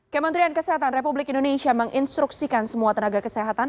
kementerian kesehatan republik indonesia menginstruksikan semua tenaga kesehatan